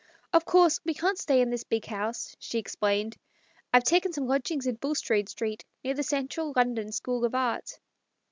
"Of course we can't stay in this big house," she explained ;" I've taken some lodgings in Bulstrode Street, near the Central London School of Art."